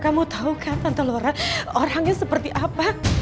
kamu tahu kan tante laura orangnya seperti apa